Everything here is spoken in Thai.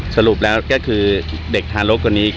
สรุปแล้วก็คือเด็กทางโลกดกว่านี้